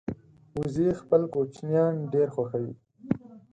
وزې خپل کوچنیان ډېر خوښوي